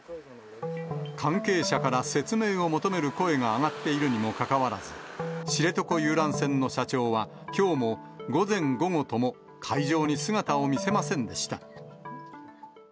関係者から説明を求める声が上がっているにもかかわらず、知床遊覧船の社長は、きょうも午前、午後とも会場に姿を見せませんでした。